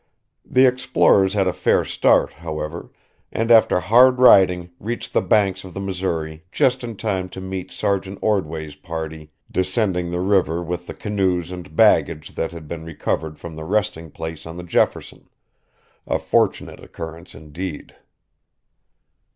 The explorers had a fair start, however, and after hard riding reached the banks of the Missouri just in time to meet Sergeant Ordway's party descending the river with the canoes and baggage that had been recovered from the resting place on the Jefferson, a fortunate occurrence indeed.